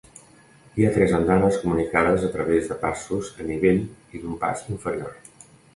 Hi ha tres andanes comunicades a través de passos a nivell i d'un pas inferior.